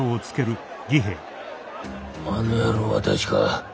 あの野郎は確か。